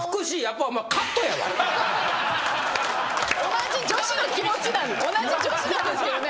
同じ女子の気持ち同じ女子なんですけどね。